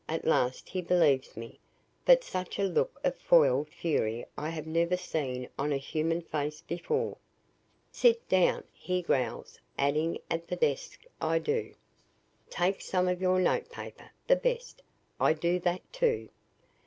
At last he believes me. But such a look of foiled fury I have never seen on any human face before. "'Sit down!' he growls, adding, 'at the desk.' I do. "'Take some of your notepaper the best.' I do that, too.